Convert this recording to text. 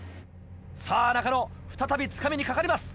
さぁ中野再びつかみにかかります。